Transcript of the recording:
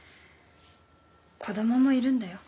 子供もいるんだよ。